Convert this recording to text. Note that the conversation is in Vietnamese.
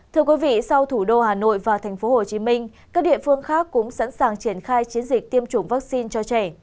thưa quý vị sau thủ đô hà nội và thành phố hồ chí minh các địa phương khác cũng sẵn sàng triển khai chiến dịch tiêm chủng vaccine cho trẻ